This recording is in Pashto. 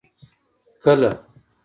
کله.